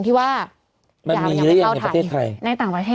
เพื่อไม่ให้เชื้อมันกระจายหรือว่าขยายตัวเพิ่มมากขึ้น